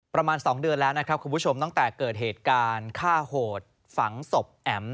ประมาณ๒เดือนแล้วนะครับคุณผู้ชมตั้งแต่เกิดเหตุการณ์ฆ่าโหดฝังศพแอ๋ม